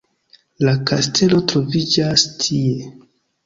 La kastelo troviĝas tie!